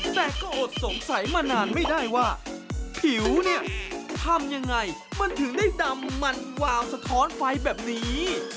แต่ก็อดสงสัยมานานไม่ได้ว่าผิวเนี่ยทำยังไงมันถึงได้ดำมันวาวสะท้อนไฟแบบนี้